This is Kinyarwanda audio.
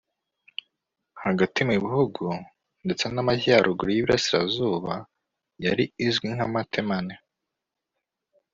Hagati mu gihugu ndetse n’Amajyaruguru y’Iburasirazuba yari izwi nka Matemane